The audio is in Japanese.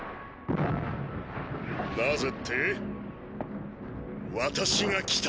何故って私が来た！